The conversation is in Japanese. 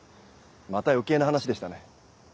また余計な話でしたね。